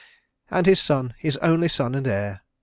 And his son, his only son and heir!